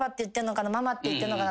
「ママって言ってんのかな？」